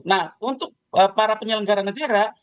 nah untuk para penyelenggara negara